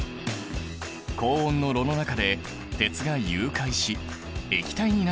高温の炉の中で鉄が融解し液体になっている。